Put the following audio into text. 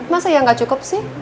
masa ya nggak cukup sih